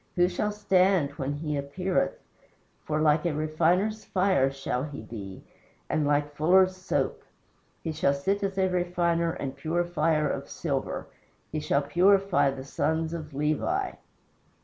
Who shall stand when He appeareth? For, like a refiner's fire shall He be, And like fullers' soap. He shall sit as a refiner and purifier of silver. He shall purify the sons of Levi."